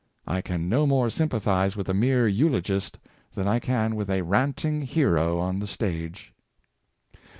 I can no more sympathize with a mere eulogist than I can with a ranting hero on the stage."